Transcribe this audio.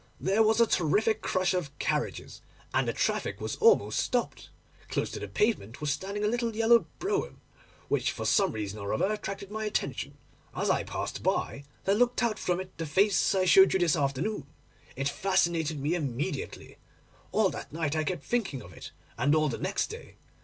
There was a terrific crush of carriages, and the traffic was almost stopped. Close to the pavement was standing a little yellow brougham, which, for some reason or other, attracted my attention. As I passed by there looked out from it the face I showed you this afternoon. It fascinated me immediately. All that night I kept thinking of it, and all the next day.